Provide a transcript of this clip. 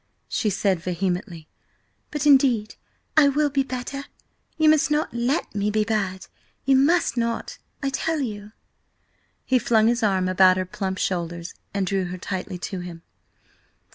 she said vehemently. "But indeed I will be better. You must not let me be bad–you must not, I tell you!" He flung his arm about her plump shoulders and drew her tightly to him.